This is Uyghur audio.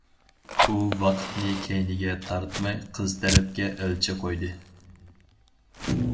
ئۇ ۋاقىتنى كەينىگە تارتماي قىز تەرەپكە ئەلچى قويدى.